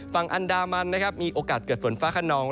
ฝั่งอันดามันนะครับมีโอกาสเกิดฝนฟ้าขนอง